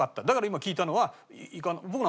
だから今聞いたのは。